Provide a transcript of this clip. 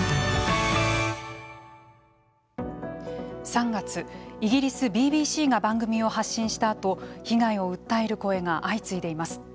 ３月、イギリスＢＢＣが番組を発信したあと被害を訴える声が相次いでいます。